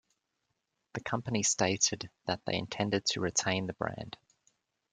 The company stated that they intended to retain the brand.